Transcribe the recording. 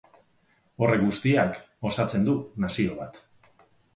Horrek guztiak osatzen du nazio bat.